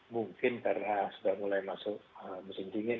mungkin karena sudah mulai masuk musim dingin